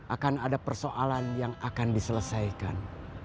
akan ada persoalan yang akan diselesaikan